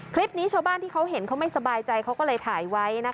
คลิปนี้ชาวบ้านที่เขาเห็นเขาไม่สบายใจเขาก็เลยถ่ายไว้